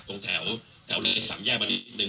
ตรงแถวเลยตรงแถวเลย๓แยกมานิดนึง